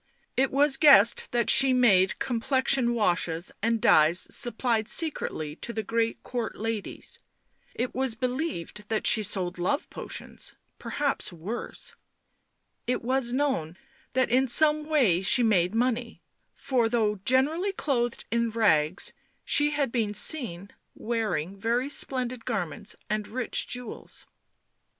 It was guessed that she made com plexion washes and dyes supplied secretly to the great court ladies ; it was believed that she sold love potions, perhaps worse ; it was known that in some way she made money, for though generally clothed in rags, she had been seen wearing very splendid garments and rich jewels.